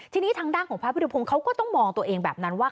ทีนี้ทางด้านของพระพุทธเขาก็ต้องมองตัวเองแบบนั้นว่า